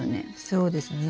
そうですね。